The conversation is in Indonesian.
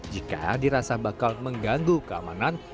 jika dirasa bakal mengganggu keamanan